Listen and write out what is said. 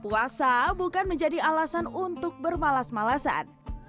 puasa bukan menjadi alasan untuk bermalas malasan